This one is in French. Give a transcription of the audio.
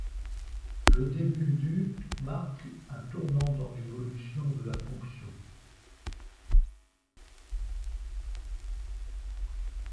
Le début du marque un tournant dans l'évolution de la fonction.